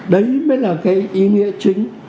đấy mới là cái ý nghĩa chính